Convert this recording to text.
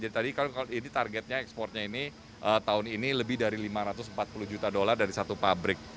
jadi tadi kalau ini targetnya ekspornya ini tahun ini lebih dari rp lima ratus empat puluh dari satu pabrik